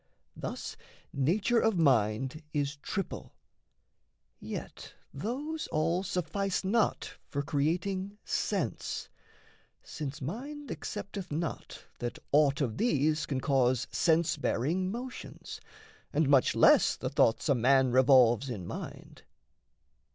Thus nature of mind is triple; yet those all Suffice not for creating sense since mind Accepteth not that aught of these can cause Sense bearing motions, and much less the thoughts A man revolves in mind.